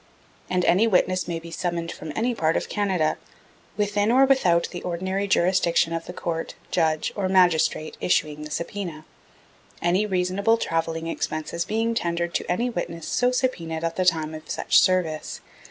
And any witness may be summoned from any part of Canada, within or without the ordinary jurisdiction of the Court. Judge, or Magistrate issuing the subpoena, any reasonable travelling expenses being tendered to any witness so subpoened at the time of such service.